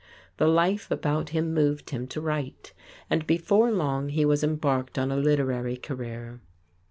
The life about him moved him to write, and before long he was embarked on a literary career.